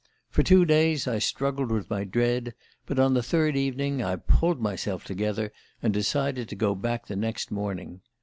For two days I struggled with my dread; but on the third evening I pulled myself together and decided to go back the next morning.